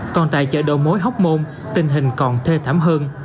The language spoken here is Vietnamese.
còn tại chợ đầu mối hóc môn tình hình còn thê thảm hơn